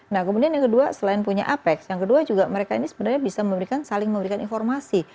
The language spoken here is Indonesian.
nah kemudian yang kedua selain punya apex yang kedua juga mereka ini sebenarnya bisa memberikan saling memberikan informasi